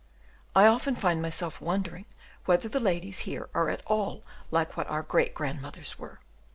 I often find myself wondering whether the ladies here are at all like what our great grandmothers were.